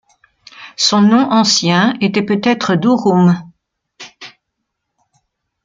Son nom ancien était peut-être Durum.